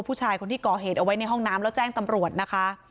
ผู้ชายคนที่ก่อเหตุเอาไว้ในห้องน้ำแล้วแจ้งตำรวจนะคะ